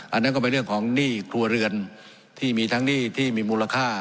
อันนั้นก็เป็นเรื่องของหนี้ครัวเรือนที่มีทั้งหนี้ที่มีมูลค่า